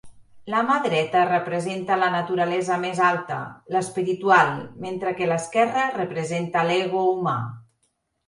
La mà dreta representa la naturalesa més alta, l'espiritual, mentre que l'esquerra representa l'ego humà.